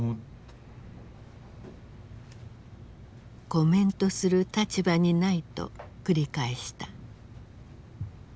「コメントする立場にない」と繰り返した。